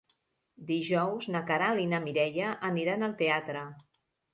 Dijous na Queralt i na Mireia aniran al teatre.